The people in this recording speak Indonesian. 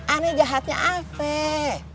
ana jahatnya afeh